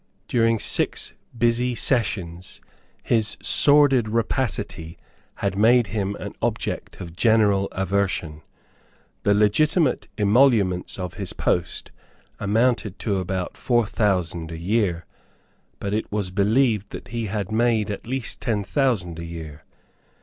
During six busy sessions his sordid rapacity had made him an object of general aversion. The legitimate emoluments of his post amounted to about four thousand a year; but it was believed that he had made at least ten thousand a year.